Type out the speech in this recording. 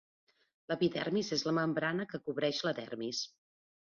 L'epidermis és la membrana que cobreix la dermis.